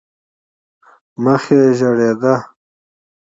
مخ یې زېړېده.